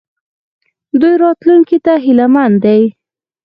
دوی راتلونکي ته هیله مند دي.